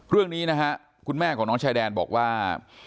เรื่องนี้นะฮะคุณแม่ของน้องชายแดนบอกว่า